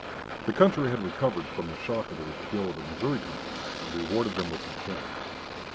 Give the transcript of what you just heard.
The country had recovered from the shock of the repeal of the Missouri Compromise, and rewarded them with Buchanan.